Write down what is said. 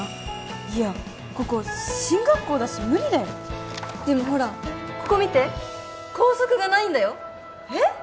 いやここ進学校だし無理だよでもほらここ見て校則がないんだよえっ！